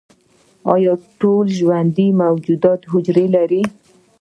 ایا ټول ژوندي موجودات حجرې لري؟